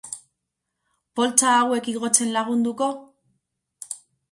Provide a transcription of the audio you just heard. Poltsa hauek igotzen lagunduko?